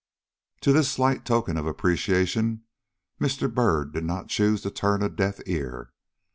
To this slight token of appreciation Mr. Byrd did not choose to turn a deaf ear.